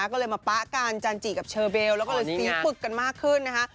ก็เลยมาป๊ะกันจันจิกับเชอเบลแล้วก็เลยสีปึกกันมากขึ้นนะคะ